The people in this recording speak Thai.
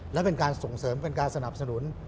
และเป็นการส่งเสริมเป็นการสนับสนุน